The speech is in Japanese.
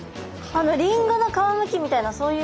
リンゴの皮むきみたいなそういう。